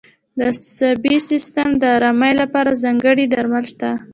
د عصبي سیستم د آرامۍ لپاره ځانګړي درمل شته.